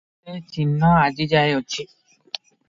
ସେ ଚିହ୍ନ ଆଜି ଯାଏ ଅଛି ।